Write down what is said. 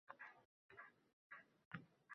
Sherobodda anorchilik klasteri tashkil etiladi